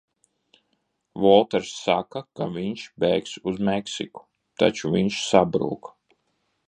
Volters saka, ka viņš bēgs uz Meksiku, taču viņš sabrūk.